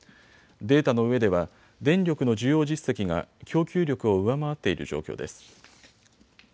データの上では電力の需要実績が供給力を上回っている状況です。